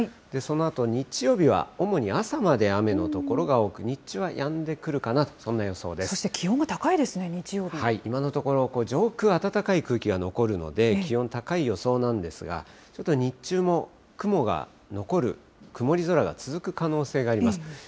そのあと、日曜日は主に朝まで雨の所が多く、日中はやんでくるかそして気温が高いですね、日今のところ、上空、暖かい空気が残るので、気温、高い予想なんですが、ちょっと日中も雲が残る、曇り空が続く可能性があります。